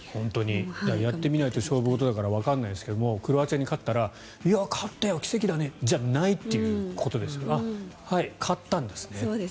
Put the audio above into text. やってみないと勝負事だからわからないですがクロアチアに勝ったら勝ったよ、奇跡だねということではないと。